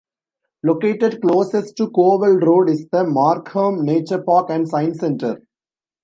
Located closest to Cowell Road is the Markham Nature Park and Science Center.